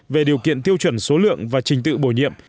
về điều kiện tiêu chuẩn số lượng và trình tự bổ nhiệm